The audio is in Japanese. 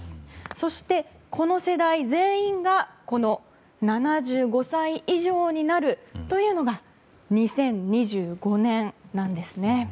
そして、この世代全員がこの７５歳以上になるというのが２０２５年なんですね。